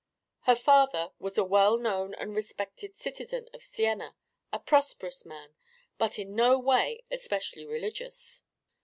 Her father was a well known and respected citizen of Siena, a prosperous man, but in no way especially religious.